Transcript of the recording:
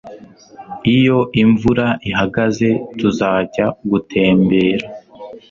Iyo imvura ihagaze, tuzajya gutembera.